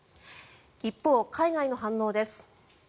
一方、海外の反応です。